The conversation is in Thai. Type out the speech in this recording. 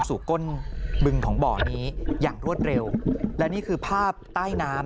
ก้นบึงของบ่อนี้อย่างรวดเร็วและนี่คือภาพใต้น้ำ